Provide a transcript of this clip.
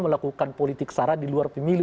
melakukan politik sara di luar pemilu